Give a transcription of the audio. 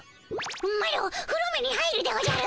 マロふろめに入るでおじゃる。